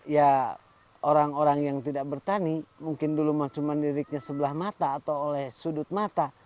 ya orang orang yang tidak bertani mungkin dulu cuma liriknya sebelah mata atau oleh sudut mata